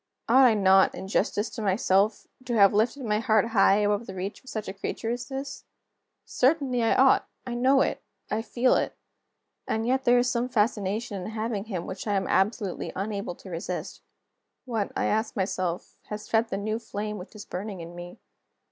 Ought I not, in justice to myself, to have lifted my heart high above the reach of such a creature as this? Certainly I ought! I know it, I feel it. And yet, there is some fascination in having him which I am absolutely unable to resist. What, I ask myself, has fed the new flame which is burning in me?